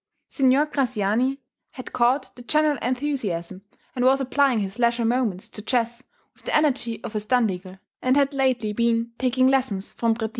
Signor Graziani had caught the general enthusiasm, and was applying his leisure moments to chess with the energy of a Standigl, and had lately been taking lessons from Préti.